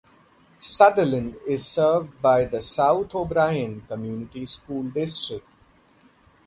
Sutherland is served by the South O'Brien Community School District.